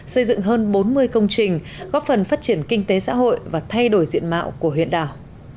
xây dựng hơn bốn mươi công trình góp phần phát triển kinh tế xã hội và thay đổi diện mạo của huyện đảo